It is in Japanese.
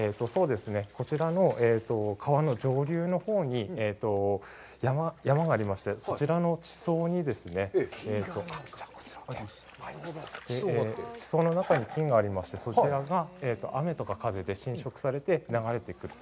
こちらの川の上流のほうに、山がありまして、そちらの地層にその中に金がありまして、そちらが雨とか風で浸食されて流れてくると。